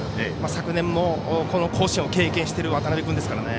昨年も、甲子園を経験している渡辺君ですからね。